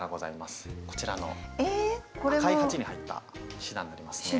こちらの赤い鉢に入ったシダになりますね。